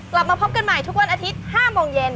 กลับมาพบกันใหม่ทุกวันอาทิตย์๕โมงเย็น